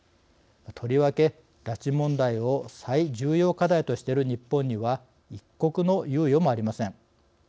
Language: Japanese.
とりわけ拉致問題を最重要課題としている日本には一刻の猶予もありません。